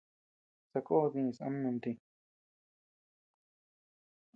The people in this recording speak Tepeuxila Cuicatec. Sakó dïs ama nunti.